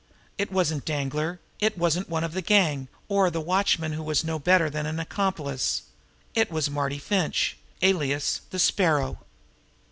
It wasn't Danglar, it wasn't one of the gang, or the watchman who was no better than an accomplice; it was Marty Finch, alias the Sparrow.